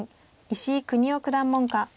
石井邦生九段門下。